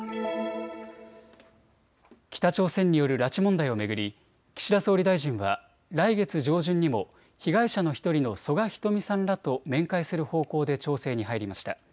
北朝鮮による拉致問題を巡り岸田総理大臣は来月上旬にも被害者の１人の曽我ひとみさんらと面会する方向で調整に入りました。